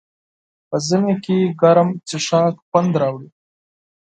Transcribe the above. په ژمي کې ګرم څښاک خوند راوړي.